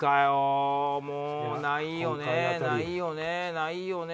ないよね？